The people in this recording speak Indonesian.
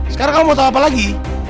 sekarang kamu mau tahu apa lagi